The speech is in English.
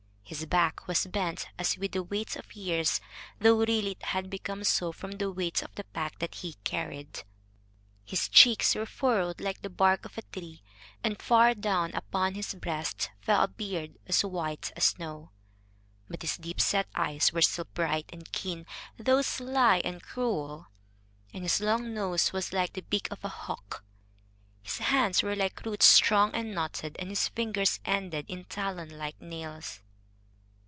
His back was bent as with the weight of years, though really it had become so from the weight of the pack that he carried; his cheeks were furrowed like the bark of a tree, and far down upon his breast fell a beard as white as snow. But his deep set eyes were still bright and keen, though sly and cruel, and his long nose was like the beak of a hawk. His hands were like roots strong and knotted, and his fingers ended in talon like nails.